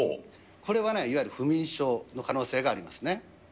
これはいわゆる不眠症の可能性がありますね。